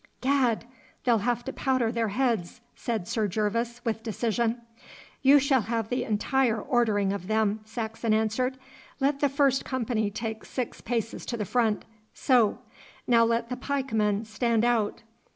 'Gad, they'll have to powder their heads,' said Sir Gervas, with decision. 'You shall have the entire ordering of them,' Saxon answered. 'Let the first company take six paces to the front so! Now let the pikemen stand out.